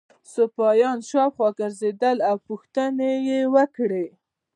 سپاهیان شاوخوا ګرځېدل او پوښتنې یې وکړې.